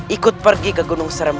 ikut pergi ke gunung serem